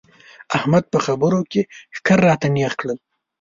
احمد په خبرو کې ښکر راته نېغ کړل.